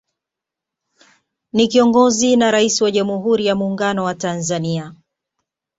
Ni kiongozi na Rais wa Jamhuri ya Muungano wa Tanzania